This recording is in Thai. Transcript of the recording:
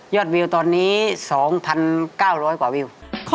วิวตอนนี้๒๙๐๐กว่าวิว